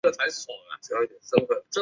许多作品在广播电台播出。